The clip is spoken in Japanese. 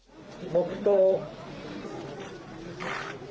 黙とう。